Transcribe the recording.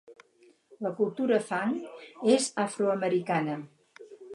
La cultura Fang és afroamericana.